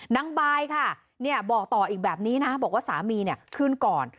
นายบายค่ะบอกต่ออีกแบบนี้นะบอกว่าสามีขึ้นก่อน